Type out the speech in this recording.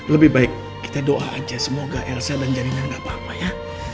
lebih baik kita doa aja semoga elsa dan jarina gak apa apa ya